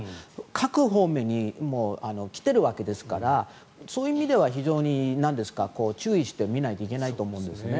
各方面に来ているわけですからそういう意味では非常に注意して見ないといけないと思うんですね。